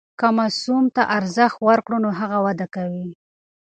که ماسوم ته ارزښت ورکړو نو هغه وده کوي.